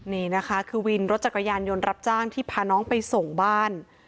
นี่นะคะคือวินรถจักรยานยนต์รับจ้างที่พาน้องไปส่งบ้าน